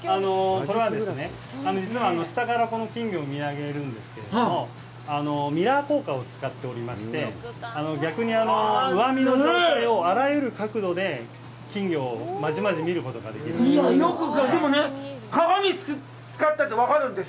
これはですね、実は下から金魚を見上げるんですけども、ミラー効果を使っておりまして、あらゆる角度で金魚をまじまじ見ることができるんです。